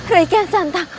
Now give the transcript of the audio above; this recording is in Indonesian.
rai kena santang